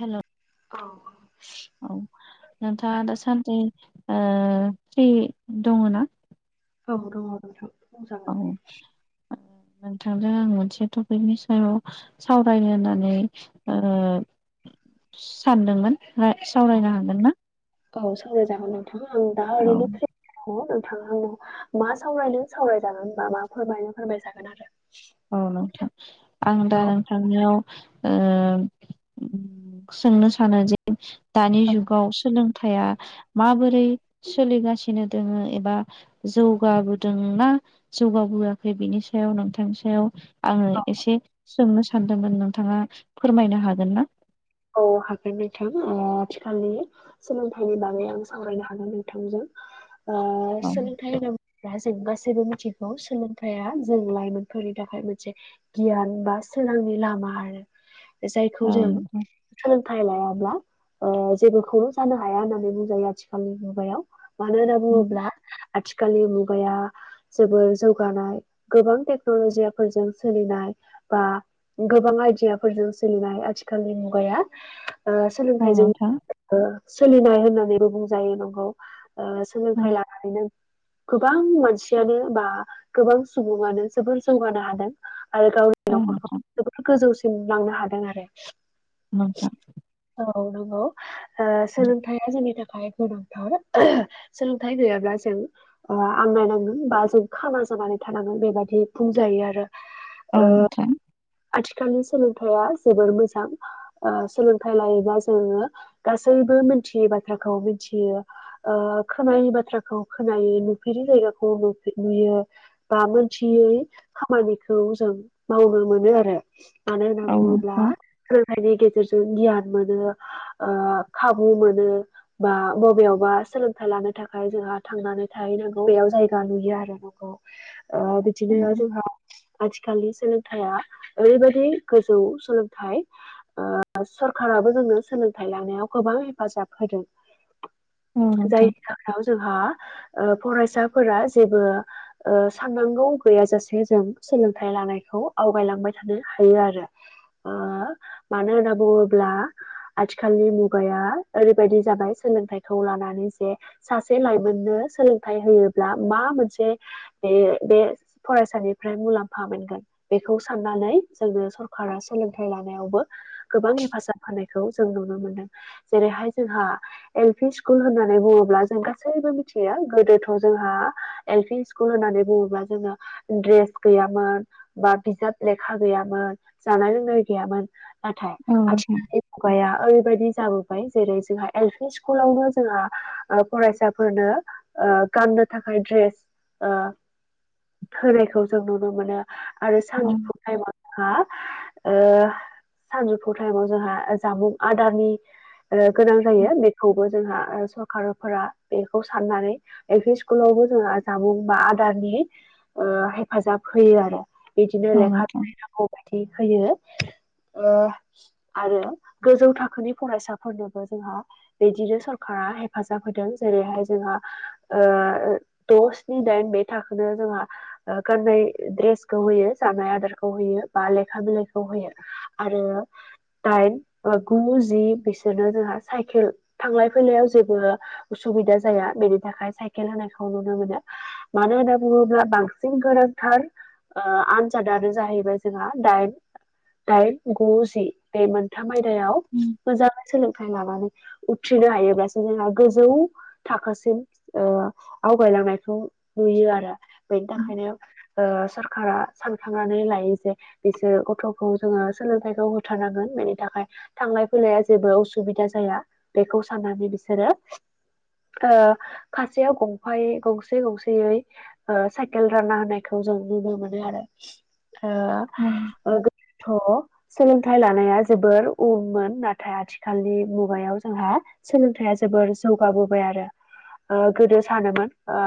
Hello औ औ नोंथाङा दासान्दि ओ फ्रि दङ ना औ दङ नोंथां औ बुंजागोन नोंथांजों आं मोनसे टपिकनि सायाव सावरायनो होननानै ओ सानदोंमोन सावरायनो हागोन ना औ सौराय जागोन नोंथां आं दा औ ओरैनो फ्रि दङ नो थाङा आंनाव मा सावरायनो सावरायजागोन होनबा मा फोरमायनो फोरमायजागोन आरो औ नोंथां आं दा औ नोंथांनियाव ओ सोंनो सानोदि दानि औ जुगाव सोलोंथाया माबो रै सोलिगासिनो दोङो एबा जौगाबोदोंना जौगाबआखै बिनि सायाव नोंथां सायाल आङो औ एसे सोंनो सानदोंमोन नोंथाङा फोरमायनो हागोन ना औ हागोन नोंथां ओ आथिखालनि सोलोंथाइनि बागै आं सावरायनो हागोन नोंथांजों [inaudible] ओ औ सोलोंथाइ हो दा जों गासैबो मिथिगौ सोलोंथाया जों लाइमोनफोरनि थाखाय मोनसे गियान बा सोरांनि लामा आरो जायखौ औ जों नोंथां सोलोंथाइ लायाब्ला ओ जेबोखौनो जानो हाया होननानै बुंजायो आथिखालनि मुगायाव मानो होनना बुङोब्ला आथिखालनि मुगाया जोबोर जौगानाय गोबां टेक्नलजि फोरजों सोलिनाय बा गोबां आइदियाफोरजों सोलिनाय आथिखा खालनि मुगाया औ सोलोंथाइजों नोंथां ओ सोलिनाय होननानैबो बुंजायो नंगौ औ सोलोंथाइ लानानैनो गोबां मानसियानो बा गोबां सुबुङानो जोबोर जौगानो हादों आरो औ गावनि न'खरखौ जोबोर गोजौसिम लांनो हादों आरो नोंथां सोलोंथाइजनि थाखाय सोलोंथाइ गैयाब्ला जों आनायनांगोन बा जों ख नानै थानांगोन बेबादि बुंजायो आरो औ ओ नोंथां आथिखालनि सोलोंथाइया जोबोर मोजां सोलोंथाइ लायोब्लाा जोङो गासैबो मिथियै बाथ्राखौ मिथियो खोनायै बाथ्राखौ खोनायै नुफेरि जायगाखौ नुयो बा मोनथियै खामानिखौ जों मावनो मोनो आरो मानो होनना औ बुङोब्ला नोंथां सोलोंथाइनि गेजेरजों गियान मोनो खाबु मोनो बा बबेयावबा सोलोंथाइ लानो थाखाय जो थांनानै थैनांगौ बेयाव जायगा नुयो आरो नखौ औ बिदिनो नोंथां जोंहा आथिखालनि सोलोंथाइया ओरैबायदि गोजौ सोलोंथाइ सरखाराबो जोंनो सोलोंथाइ लानायाव गोबां हेफाजाब होदों [inaudible] जाय नोंथां जोंहा फरायसाफोरा जेबो साननांगौ गैयाजासे जों सोलोंथाइ लानायखौ आव आगायलांबाय थानो हायो आरो मानो होनना बुङोब्ला आथिखालनि मुगाया ओरैबायदि जाबाय सोलोंथखौ लानानै जे सासे लाइमोननो सोलोंथ मा मोनसे बे बे फरायसानिफ्राय मुलाम्फा मोनगोन बेखौ साननानै जोङो सरकारा सोलोंथाइ लानायावबो गोबां हेफाजाब होनायखौ जों नुनो मोनो जेरैहाय जोंहा एलफि स्कुल होननानै बुङोब्ला जों गासैबो मिथियो थ जोंहा एल पि स्कुल होननानै बुङोबा जोङो द्रेस गैयामोन बा बिजाब लेखा गैयामोन जानाय लोंनाय गैयामोन नाथाय औ आ खुगाया ओरैबायदि जाबोबाय जेरै जोंहा एलफि स्कुलावनो जोंहा फरायसाफोरनो गाननो थाखाय ड्रेस होनायखौ जों नुनो मोनो आरो सानजौफु टाइमाव हा सानजौफु टाइमाव जोंहा जामुं आदारनि गोनां जायो बेखौबो जोंहा सरकारफोरा बेखौ साननानै एल पि स्कुलावबो जोंहा जामुं बा आदारनि हेफाजाब होयो आरो बिदिनो औ लेखा नोंथां फराखौ होयो आरो गोजौ थाखोनि फरायसाफोरनोबो जोंहा बिदिनो सरकार हेफाजाब होदों जेरैहाय जोंहा द स्नि दाइन बे थाखोनो जोंहा द्रेस होयो जानाय आदारखौ होयो बा लेखा बिलाइखौ होयो आरो दाइन बा गु जि बिसोरनो जोंहा साइकेल थांलाय फैलायाव जेबो सुबिदा जाया बेनि थाखाय साइकेल होनायखौ नुनो मोनो मानो होनना बुङोब्ला बांसिन गोनांथार आरो आनजादानो जाहैबाय जोंहा दाइन दाइन गु जि बे मोनथामै मोजाङै सोलों लानानै उथ्रिनो हायोब्लासो जोंहा गोजौ थाखोसिम आवगाय लांनायखौ नुयो आरो बेनि थाखायनो सरखारा सानखांनानै लायो जे बिसोर गथ'खौ जोङो सोलोंथाइखौ होथारनांगोन बेनि थाखाय थांलाय फैलाया जेबो असुबिदा जाया बेखौ साननानै बिसोरो खासेयाव गंफायै गंसे गंसेयै साइकेल राना होनायखौ जों नुनो मोनो आरो गोदोथ' सोलोंथाइ लानाया जोबोर उनमोन नाथाय आथिखालनि मुगायाव जोंहा सोलोंथाइया जोबोर जौगाबोबाय आरो ओ गोदो सानोमोन ओ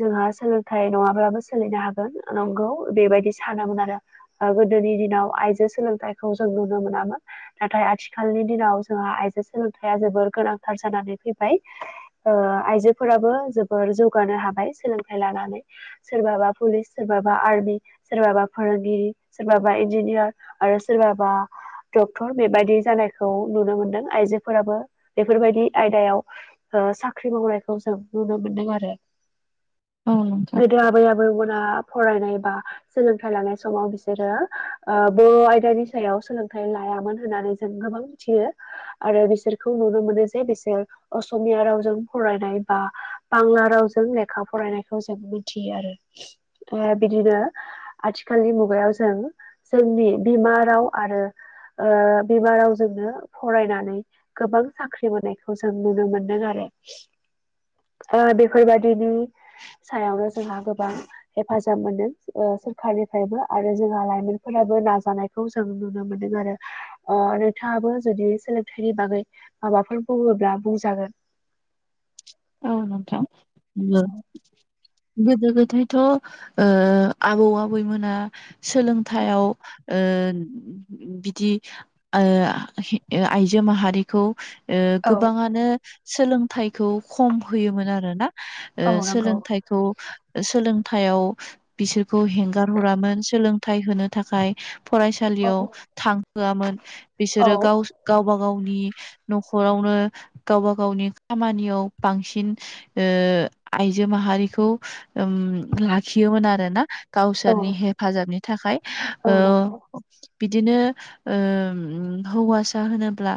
जोंहा सोलोंथाइ नङाब्लाबो सोलिनो हागोन। नंगौ बेबायदि सानोमोन आरो ओ गोदोनि दिनाव आइजो सोलोंथाइखौ जों नुनो मोनामोन। नाथाय आथिखालनि दिनाव जोंहा आइजो सोलोंथाया जोबोर गोनांथार जानानै फैबाय। ओ आइजोफोराबो जोबोर जौगानो हाबाय सोलोंथाइ लानानै सोरबाबा पुलिस सोरबाबा आर्मि सोरबाबा फोरोंगिरि सोरबाबा इन्जिनियार आरो सोरबाबा डक्टर बेबायदि जानायखौ नुनो मोनदों आइजोफोराबो बेफोरबायदि आयदायाव ओ साख्रि मावनायखौ जों नुनो मोनदों आरो औ नोंथां गोदो आबै आबौमोना फरायनाय बा सोलोंथाइ लानाय समाव बिसोरो ओ बर' आयदानि सायाव सोलोंथाइ लाया मोन होननानै जोंना मिथियो आरो बिसोरखौ नुनो मोनो जे बिसोर असमिया रावजों फरायनाय बा बांला रावजों लेखा फरायनायखौ जों मिथियो आरो। ए बिदिनो आथिखालनि मुगायाव जों जोंनि बिमा राव आरो ओ बिमा रावजोंनो फरायनानै गोबां साख्रि मोनायखौ जों नुनो मोनदों आरो। ओ बेफोरबादिनि सायावनो जोंहा गोबां हेफाजाब मोनो ओ सोरखारनिफ्रायबो आरो जोंहा लाइमोनफोराबो नाजानायखौ जों नुनो मोनो। आरो नोंथाङाबो जुदि सोलोंथाइनि बागै माबाफोर बुङोब्ला बुंजागोन। औ नोंथां। [unintelligible] गोदो गोदायथ' ओ आबौ आबैमोना सोलोंथाइयाव ओ बिदि ओ आइजो माहारिखौ ओ औ गोबाङानो सोलोंथाइखौ खम होयोमोन आरो ना ओ औ नंगौ सोलोंथाइखौ सोलोंथाइयाव बिसोरखौ हेंगार हरामोन सोलोंथाइ होनो थाखाय औ फरायसालियाव थांहोआमोन औ बिसोरो गाव गावबा गावनि न'खरावनो गावबा गावनि खामानियाव बांसिन ओ आइजो माहारिखौ ओम लाखियोमोन आरोना। औ गावसोरनि हेफाजाबनि थाखाय औ ओ नंगौ बिदिनो ओ ओम हौवासा होनोब्ला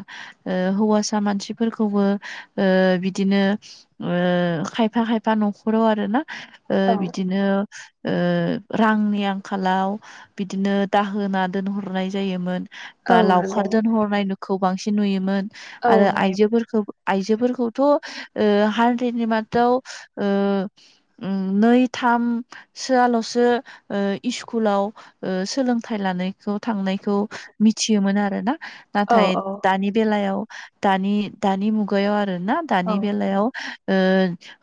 हौवासा मानसिफोरखौबो बो ओ बिदिनो ओ खायफा खायफा न'खराव आरो ना ओ औ बिदिनो ओ रांनि आंखालाव बिदिनो दाहोना दोनहरनाय जायोमोन। औ बा लावखार नंगौ दोनहरनाय बेखौ बांसिन नुयोमोन औ आरो नुयो आइजोफोरखौ आयजोफोरखौथ' ओ हानद्रेदनि मादाव ओ ओ नै थामसो आल' ओ इसकुलाव ओ सोलोंथाइ लानाय खौ थांनायखौ मिथियोमोन आरो ना औ नाथाय औ दानि बेलायाव दानि दानि मुगायाव आरो ना दानि औ बेलायाव ओ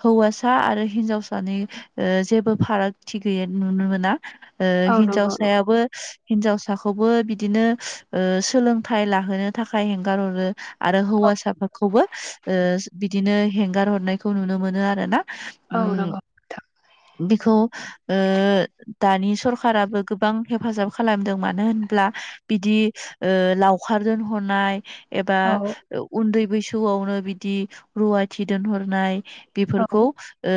हौवासा आरो हिन्जावसानि ओ जेबो फारागथि गैयै नुनो मोना। ओ औ नंगौ नंगौ हिनजावसायाबो हिनजावसाखौबो बिदिनो ओ सोलोंथाइ लाहोनो थाखाय हेंगार हरो आरो औ हौवासाफाखौबो ओ बिदिनो हेंगार हरनायखौ नुनो मोनो आरो ना। उम औ नंगौ नोंथां बेखौ ओ दानि सरखाराबो गोबां हेफाजाब खालामदों मानो होनब्ला बिदि ओ लाव खार दोनहरनाय एबा औ उन्दै बैसोआवनो बिदि रुवाथि दोनहरनाय औ बेफोरखौ ओ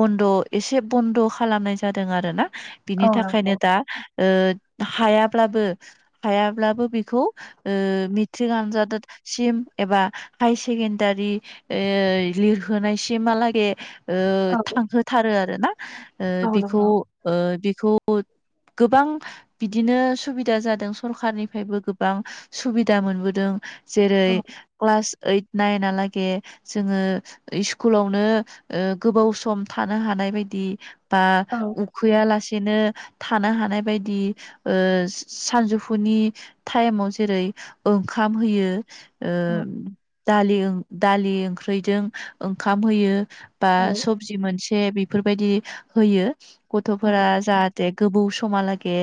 बन्द' एसे बन्द' खालामनाय जादों आरो ना। बिनि औ थाखायनो नंगौ दा ओ हायाब्लाबो हायाब्लाबो बेखौ ओ मेट्रिक आनजाद सिम एबा हाय सेकेणडारि ओ लिरहोनायसिमहालागै ओ औ थांहोथारो आरो ना। औ बेखौ नंगौ बेखौ गोबां बिदिनो सुबिदा जादों सरखारनिफ्रायबो गोबां सुबिदा मोनबोदों जेरै औ क्लास ओइट नाइनलागै जोङो सस्कुलावनो गोबाव सम थानो हानाय बायदि बा औ उखैयालासि बिदिनो थानो हानाय बायदि सानजौफुनि टाइमाव जेरै ओंखाम होयो ओ दालि दालि ओंख्रिजों ओंखाम होयो। बा औ सबजि मोनसे बेफोर बायदि होयो औ गथ'फोरा जा थे गोबौ समहालागे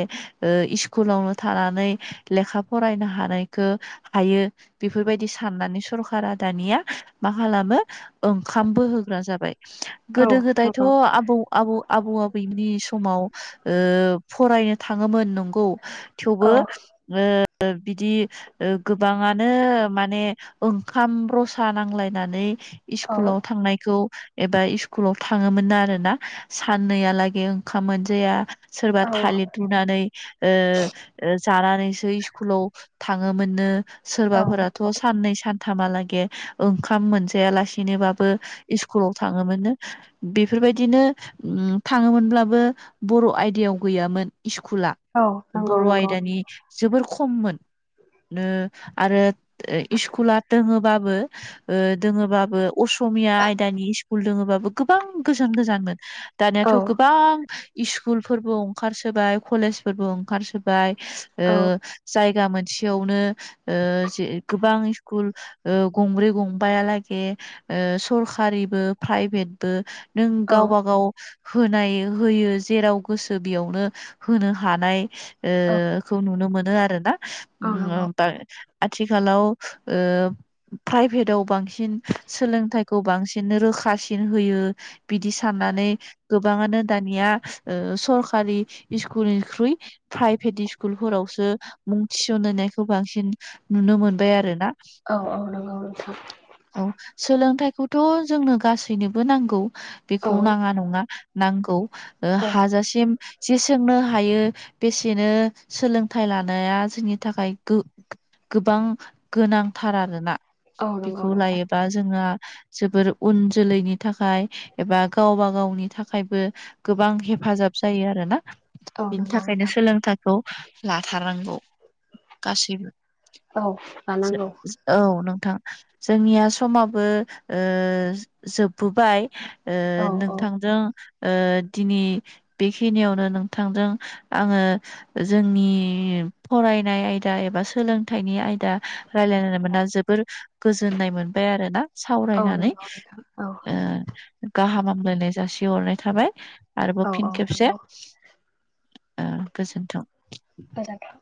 स्कुलावनो थानानै लेखा फरायनो हानायखो हायो बेफोर बायदि साननानै सरखारा दानिया मा खालामो ओंखामबो होग्रा जाबाय औ गोदो गोदायथ' नंगौ आबौ आबौ आबौ आबौ नि स माव ओ फरायनो थाङोमोन नोंगौ औ थेवबो ओ बिदि ओ गोबाङानो माने ओंखाम रसा नांलाय नानै औ स्कुलाव थांनायखौ एबा स्कुलाव थाङोमोन आरो ना साननैयालागे ओंखाम मोनजाया सोरबा औ थालिर रुनानै ओ ओ जानानैसो स्कुलाव थाङोमोननो औ सोरबाफोराथ' साननै सानथामहालागे ओंखाम मोनजायालासिनोबाबो स्कुलाव थाङोमोन बेफोर बायदिनो थाङोमोनब्लाबो बर' आयदायाव गैयामोन स्कुला औ नंगौ बर' नंगौ आयदानि जोबोर ख खममोन ओ आरो इसकुला दोङोबाबो ओ दोङोबाबो असमिया आयदानि स्कुल दोङोबाबो गोबां गोजान गोजानमोन औ दानियाथ' गोबां स्कुलफोरबो अंखारसोबाय कलेजफोरबो ओंखारसोबाय ओ औ जायगा मोन सेयावनो जि गोबां स्कुल ओ गंब्रै गं बाया लागि ओ सकारिबो प्राइभेटबो नों औ गावबा गाव होनाय होयो जेराव गोसो बेयावनो होनो हानाय औ खौ नुनो मोनो आरो ना औ नंगौ होम आथिखालाव ओ प्राइभेटआव बांसिन सोलोंथाइखौ बांसिन रोखासिन होयो बिदि साननानै गोबां गोबाङानो दानिया सरकारि स्कुलनिख्रुइ प्राइभेट स्कुलफोरावसो मुं थिसन हैनायखौ बांसिन नुनो मोनबाय आरोना। औ औ नंगौ नोंथां। औ सोलोंथाइखौथ' जोंनो गासैनोबो नांगौ। औ बेखौ नाङा नङा नांगौ ओ औ हाजासिम जेसोंनो हायो बेसेनो सोलोंथाइ लानाया जोंनि थाखाय गो गोबां गोनांथार आरोना औ बेखौ नंगौ नोंथां लायोबा जोङो जोबोर उन जोलैनि थाखाय एबा गावबा गावनि थाखायबो गोबां हेफा हेफाजाब जायो आरो ना। औ बिनि नंगौ थाखायनो नोंथां सोलोंथाइखौ लाथारनांगौ गासैबो औ लानांगौ औ नोंगौ जोंनिया समाबो ओ जोबबोबाय ओ औ औ नोंथांजों औ दिनै बेखिनियावनो नोंथांजों आङो जोंनि फरायनाय आयदा एबा सोलोंथाइनि आयदा रायलायनो मोना जोबोर गोजोननाय मोनबाय आरोना औ सावरायनानै नंगौ नोंथां औ ओ गाहाम हामलायनाय जासि हरनाय थाबाय आरोबाव औ औ फिन खेबसे नंगौ आ गोजोनथों। गोजोनथों।